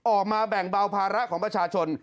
ออกมาแบ่งเบาภาระของประชาชน